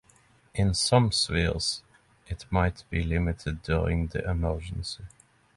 In some spheres it might be limited during the emergency.